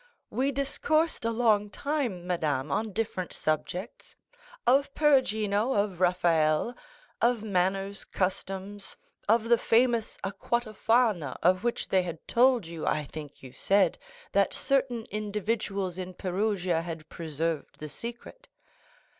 We discoursed a long time, madame, on different subjects; of Perugino, of Raphael, of manners, customs, of the famous aqua Tofana, of which they had told you, I think you said, that certain individuals in Perugia had preserved the secret."